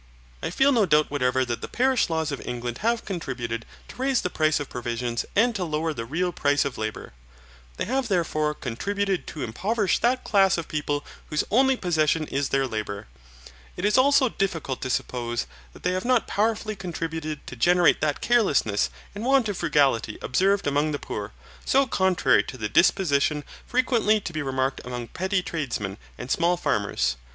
I feel no doubt whatever that the parish laws of England have contributed to raise the price of provisions and to lower the real price of labour. They have therefore contributed to impoverish that class of people whose only possession is their labour. It is also difficult to suppose that they have not powerfully contributed to generate that carelessness and want of frugality observable among the poor, so contrary to the disposition frequently to be remarked among petty tradesmen and small farmers.